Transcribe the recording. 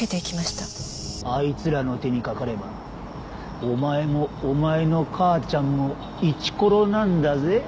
あいつらの手にかかればお前もお前の母ちゃんもイチコロなんだぜ？